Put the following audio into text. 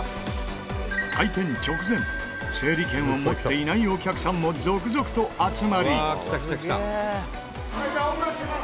開店直前整理券を持っていないお客さんも続々と集まり従業員：オープンします！